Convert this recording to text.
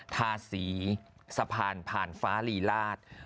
ทาสีสะพานผ่านฟ้าลีลาศ